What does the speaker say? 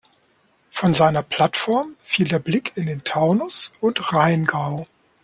Von seiner Plattform fiel der Blick in den Taunus und Rheingau.